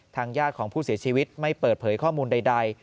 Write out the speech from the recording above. ญาติของผู้เสียชีวิตไม่เปิดเผยข้อมูลใด